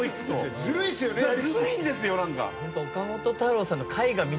ずるいんですよ何か。